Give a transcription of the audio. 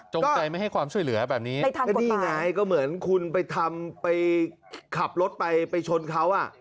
ใจไม่ให้ความช่วยเหลือแบบนี้ก็นี่ไงก็เหมือนคุณไปทำไปขับรถไปไปชนเขาอ่ะ